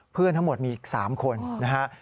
เพื่อนทั้งหมดมีอีก๓คนนะฮะ